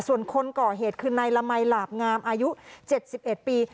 ส่วนคนก่อเหตุคือนายละมัยหลาบงามอายุเจ็ดสิบเอ็ดปี